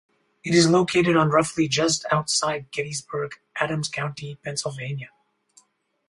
It is located on roughly just outside Gettysburg, Adams County, Pennsylvania.